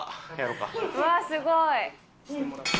うわーすごい！